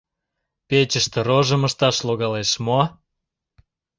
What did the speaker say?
Печыште рожым ышташ логалеш мо?